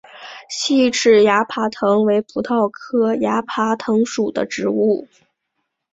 细齿崖爬藤为葡萄科崖爬藤属的植物。